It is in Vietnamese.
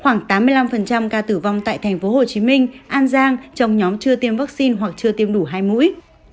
khoảng tám mươi năm ca tử vong tại tp hcm an giang trong nhóm chưa tiêm vaccine hoặc chưa tiêm đủ hai mũi